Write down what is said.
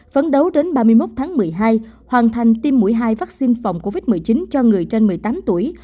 phấn đấu đến ba mươi một tháng một mươi hai hoàn thành tiêm mũi hai vaccine phòng covid một mươi chín cho người trên một mươi tám tuổi